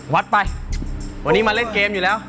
วัดไปวันนี้มาเล่นเกมอยู่แล้ว